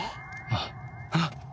あっ！